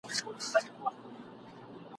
ښکاري زرکه ..